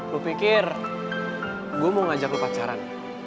lu pikir gue mau ngajak lu pacaran